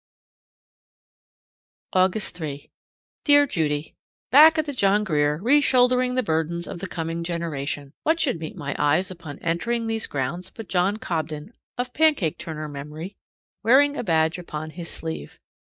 S. August 3. Dear Judy: Back at the John Grier, reshouldering the burdens of the coming generation. What should meet my eyes upon entering these grounds but John Cobden, of pancake turner memory, wearing a badge upon his sleeve.